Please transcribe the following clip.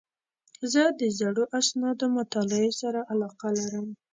زه د زړو اسنادو مطالعې سره علاقه لرم.